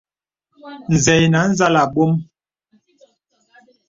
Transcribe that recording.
Zɛ̂ ìnə̀ à zàl àbɔ̄m.